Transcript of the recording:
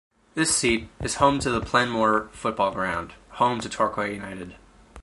The seat is home to the Plainmoor football ground, home to Torquay United.